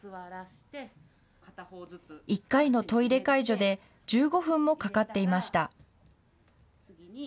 １回のトイレ介助で１５分もかかっていました。